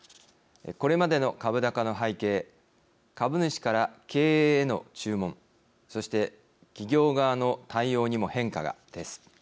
これまでの株高の背景株主から経営への注文そして企業側の対応にも変化が、です。